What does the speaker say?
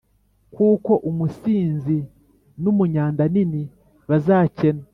Kuko Umusinzi N Umunyandanini Bazakena